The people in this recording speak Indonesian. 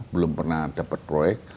belum pernah dapat proyek